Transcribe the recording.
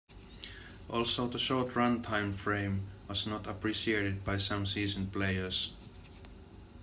Also the short run time frame was not appreciated by some seasoned players.